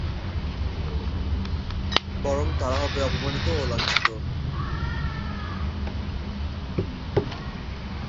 বরং তারা হবে অপমানিত ও লাঞ্ছিত।